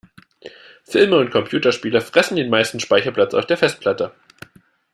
Filme und Computerspiele fressen den meisten Speicherplatz auf der Festplatte.